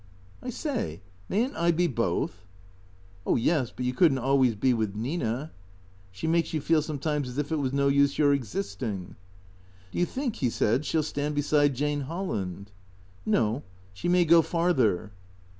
" I say, may n't I be both ?"" Oh yes, but you could n't always be with Nina. She makes you feel sometimes as if it was no use your existing." " Do you think," he said, " she '11 stand beside Jane Hol land?" " No. She may go farther."